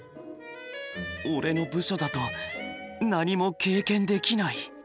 俺の部署だと何も経験できない。